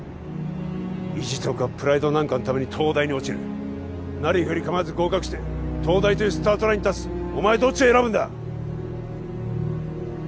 意地とかプライドなんかのために東大に落ちるなりふり構わず合格して東大というスタートラインに立つお前どっちを選ぶんだ